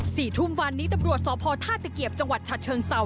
สี่ทุ่มวันนี้ตำรวจสพท่าตะเกียบจังหวัดฉะเชิงเศร้า